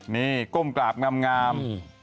นี่ก้มกราบงาม